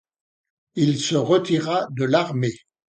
Il se retira de l'armée.